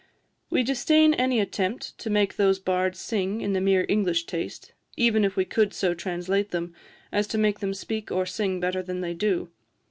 We disdain any attempt to make those bards sing in the mere English taste, even if we could so translate them as to make them speak or sing better than they do.